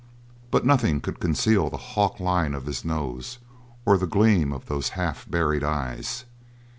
But nothing could conceal the hawk line of his nose or the gleam of those half buried eyes.